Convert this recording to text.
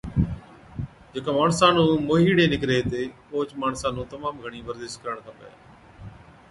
جڪا ماڻسا نُون موهِيڙي نِڪري هِتي اوهچ ماڻسا نُون تمام گھڻِي ورزش ڪرڻ کپَي